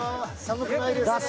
寒くないですか？